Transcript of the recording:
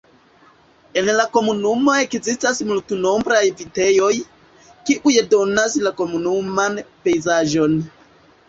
En la komunumo ekzistas multnombraj vitejoj, kiuj dominas la komunuman pejzaĝon.